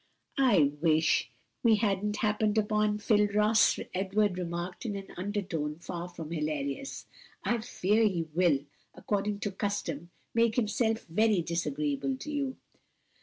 "I wish we hadn't happened upon Phil Ross," Edward remarked in an undertone far from hilarious. "I fear he will, according to custom, make himself very disagreeable to you."